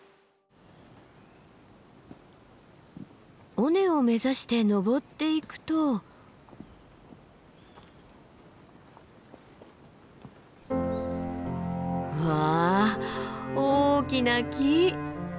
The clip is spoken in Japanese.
尾根を目指して登っていくと。わ大きな木。